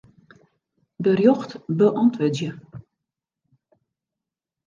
Berjocht beäntwurdzje.